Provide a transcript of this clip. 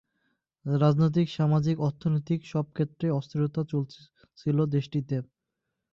রাজনৈতিক, সামাজিক, অর্থনৈতিক সব ক্ষেত্রেই অস্থিরতা চলছিল দেশটিতে।